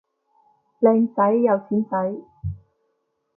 靚仔有錢仔